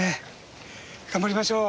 頑張りましょう。